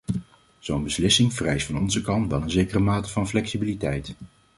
Zo'n beslissing vereist van onze kant wel een zekere mate van flexibiliteit.